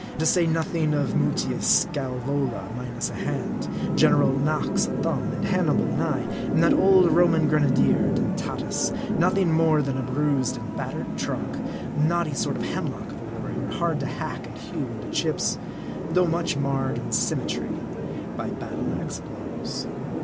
To say nothing of Mutius Scsevola minus a hand, General Knox a thumb, and Hannibal an eye ; and that old Roman grenadier, Dentatus, nothing more than a bruised and battered trunk, a knotty sort of hemlock of a warrior, hard to hack and hew into chips, VOL. i. E 98 M A R D I. though much marred in symmetry by battle ax blows.